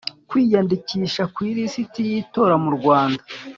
Kwiyandikisha ku ilisiti y itora mu Rwanda